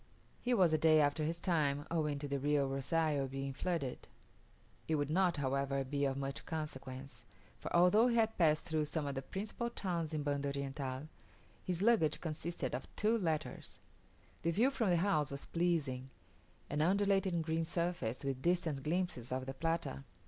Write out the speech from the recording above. He was a day after his time, owing to the Rio Rozario being flooded. It would not, however, be of much consequence; for, although he had passed through some of the principal towns in Banda Oriental, his luggage consisted of two letters! The view from the house was pleasing; an undulating green surface, with distant glimpses of the Plata.